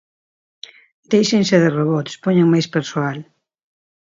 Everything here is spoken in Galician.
Déixense de robots, poñan máis persoal.